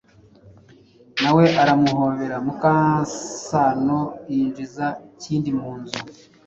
nawe aramuhobera. Mukasano yinjiza Kindi mu nzu